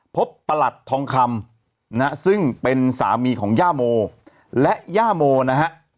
ประหลัดทองคำนะฮะซึ่งเป็นสามีของย่าโมและย่าโมนะฮะ